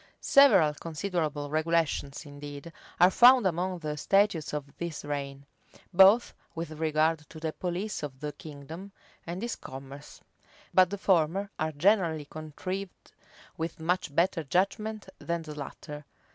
Several considerable regulations, indeed, are found among the statutes of this reign, both with regard to the police of the kingdom, and its commerce: but the former are generally contrived with much better judgment than the latter.